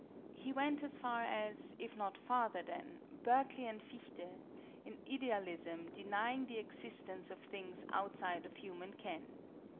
He went as far as, if not farther than, Berkeley and Fichte, in Idealism, denying the existence of things outside of human ken.